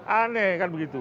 aneh kan begitu